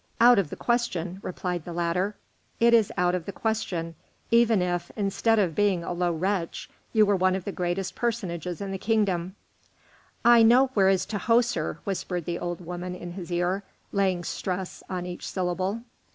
"Out of the question," replied the latter; "it is out of the question, even if, instead of being a low wretch, you were one of the greatest personages in the kingdom." "I know where is Tahoser," whispered the old woman in his ear, laying stress on each syllable.